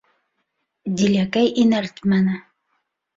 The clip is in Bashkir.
Диләкәй инәлтмәне.